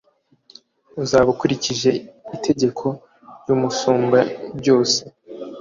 uzaba ukurikije itegeko ry’Umusumbabyose.